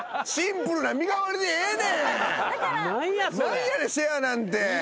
何やねんシェアなんて。